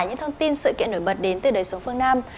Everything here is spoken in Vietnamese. những thông tin sự kiện nổi bật đến từ đời sống phương nam